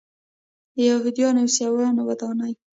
د یهودانو او عیسویانو ودانۍ.